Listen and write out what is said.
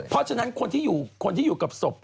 เพราะฉะนั้นคนที่อยู่กับศพ